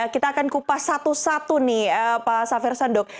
kita akan kupas satu satu nih pak safir sandu